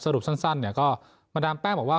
สรุปสั้นก็มาดามแพ้งบอกว่า